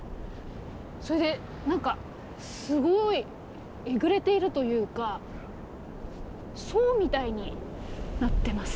それで何かすごいえぐれているというか層みたいになってます。